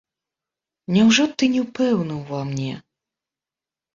Няўжо ты не пэўны ўва мне?